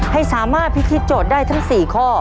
ให้สามารถพิธีโจทย์ได้ทั้ง๔ข้อ